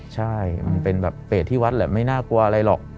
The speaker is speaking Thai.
ใช่มันเป็นแบบเฟสที่วัดแหละไม่น่ากลัวอะไรหรอก